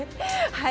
はい。